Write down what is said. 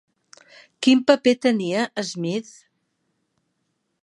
Quin paper tenia Smith?